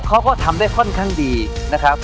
เขาก็ทำได้ค่อนข้างดีนะครับ